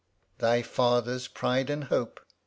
Thy father's pride and hope